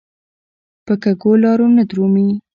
په کږو لارو نه درومي.